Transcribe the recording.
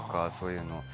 そういうの。